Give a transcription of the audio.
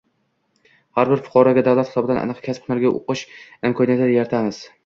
har bir fuqaroga davlat hisobidan aniq kasb-hunarga o‘qish imkoniyatini yaratamiz.